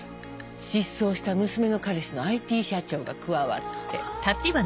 失踪した娘の彼氏のＩＴ社長が加わって。